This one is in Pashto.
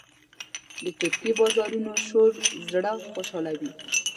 د ترکي بازارونو شور زړه خوشحالوي.